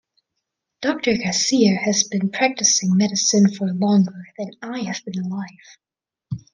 Doctor Garcia has been practicing medicine for longer than I have been alive.